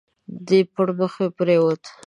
دی پړمخي پرېووت.